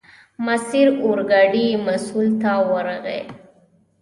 ماسیر اورګاډي مسوول ته ورغی.